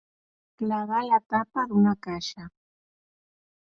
Clavar la tapa d'una caixa.